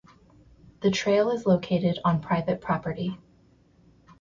The trail is located on private property.